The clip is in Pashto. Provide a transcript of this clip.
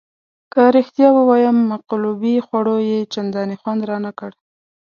که رښتیا ووایم مقلوبې خوړو یې چندانې خوند رانه کړ.